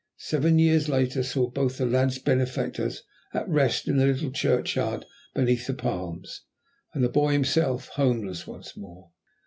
Seven years later saw both the lad's benefactors at rest in the little churchyard beneath the palms, and the boy himself homeless once more.